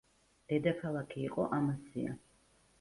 დედაქალაქი იყო ამასია.